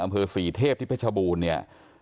อำเภอศรีเทพที่เพชรบูรณ์เนี่ย